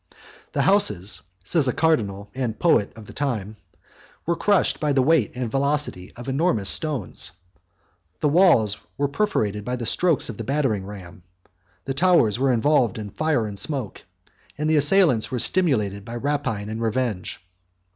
"The houses," says a cardinal and poet of the times, 45 "were crushed by the weight and velocity of enormous stones; 46 the walls were perforated by the strokes of the battering ram; the towers were involved in fire and smoke; and the assailants were stimulated by rapine and revenge."